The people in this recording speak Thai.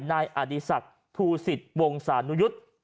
นายอดีศักดิ์ภูสิตวงศานุยุทธ์